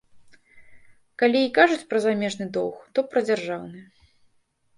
Калі і кажуць пра замежны доўг, то пра дзяржаўны.